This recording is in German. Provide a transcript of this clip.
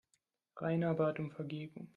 Rainer bat um Vergebung.